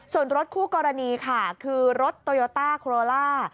ส่วนรถคู่กรณีค่ะคือรถโตโยต้าโครล่า